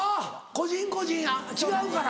個人個人違うから。